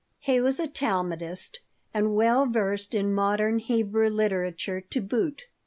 He was a Talmudist, and well versed in modern Hebrew literature, to boot.